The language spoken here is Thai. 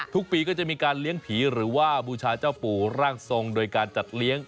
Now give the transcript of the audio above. ทุกปีก็จะมีการเลี้ยงผีหรือว่าบูชาเจ้าปู่ร่างทรงโดยการจัดเลี้ยง